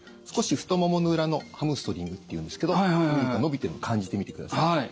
少し太ももの裏のハムストリングっていうんですけど伸びてるのを感じてみてください。